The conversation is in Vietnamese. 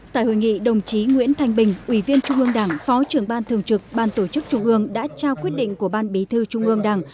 tại hội nghị đồng chí nguyễn thanh bình ủy viên trung ương đảng phó trưởng ban thường trực ban tổ chức trung ương đã trao quyết định của ban bí thư trung ương đảng